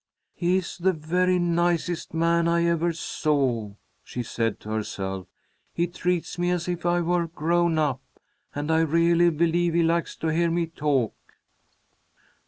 "He's the very nicest man I ever saw," she said to herself. "He treats me as if I were grown up, and I really believe he likes to hear me talk."